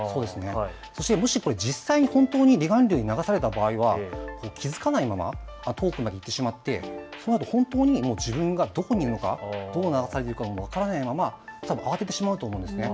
そして、もし実際に離岸流に流された場合は気付かないまま遠くまで行ってしまって本当に自分がどこにいるのか、どう流されているのか、分からないまま慌ててしまうと思うんですね。